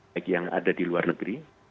bagi yang ada di luar negeri